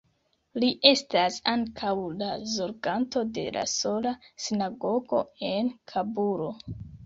Li estas ankaŭ la zorganto de la sola sinagogo en Kabulo.